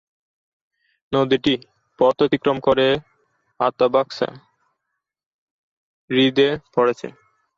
নদীটি পথ অতিক্রম করে আথাবাস্কা হ্রদে পড়েছে।